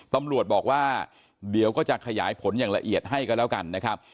ตำรวจบอกว่าเดี๋ยวก็จะขยายผลอย่างละเอียดให้กันแล้วกันนะครับ